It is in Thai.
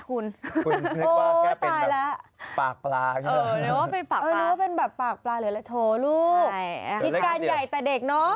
คุณนึกว่าแกเป็นแบบปากปลากันบ้าง